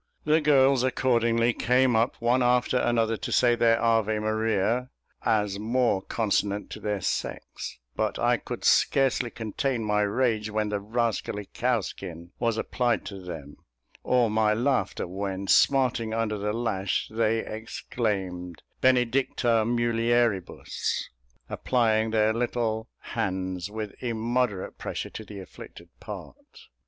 The girls accordingly came up one after another to say their Ave Maria, as more consonant to their sex; but I could scarcely contain my rage when the rascally cowskin was applied to them, or my laughter when, smarting under its lash, they exclaimed, "Benedicta Mulieribus," applying their little hands with immoderate pressure to the afflicted part.